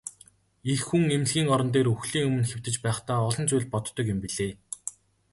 Эх хүн эмнэлгийн орон дээр үхлийн өмнө хэвтэж байхдаа олон зүйл боддог юм билээ.